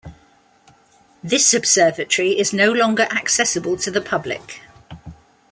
This observatory is no longer accessible to the public.